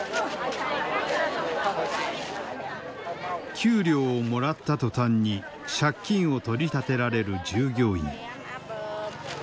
給料をもらった途端に借金を取り立てられる従業員。